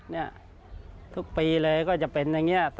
นี่ทุกปีเลยก็จะเป็นอย่างนี้